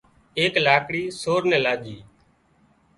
اي لاڪڙي سور نين لاڄي